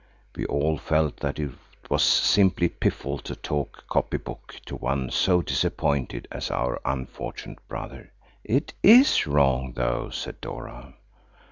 We all felt that it was simply piffle to talk copy book to one so disappointed as our unfortunate brother. "It is wrong, though," said Dora.